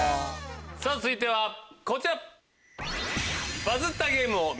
続いてはこちら。